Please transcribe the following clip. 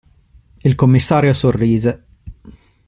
Il commissario sorrise.